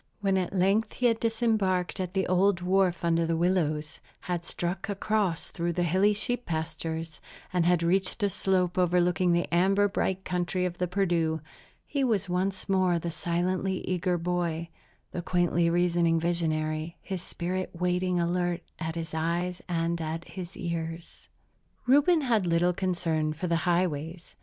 When at length he had disembarked at the old wharf under the willows, had struck across through the hilly sheep pastures, and had reached a slope overlooking the amber bright country of the Perdu, he was once more the silently eager boy, the quaintly reasoning visionary, his spirit waiting alert at his eyes and at his ears. Reuben had little concern for the highways.